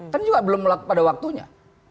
kan juga belum pada waktunya